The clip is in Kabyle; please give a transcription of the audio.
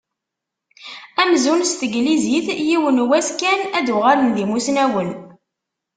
Amzun s teglizit, yiwen wass kan ad uɣalen d imusnawen.